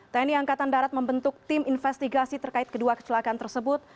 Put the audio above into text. tni angkatan darat membentuk tim investigasi terkait kedua kecelakaan tersebut